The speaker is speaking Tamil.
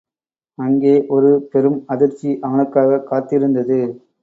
அங்கே ஒரு பெரும் அதிர்ச்சி அவனுக்காகக் காத்திருந்தது.